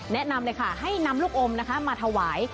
แนะนำเลยค่ะให้นำลูกอมนะคะมาถวาย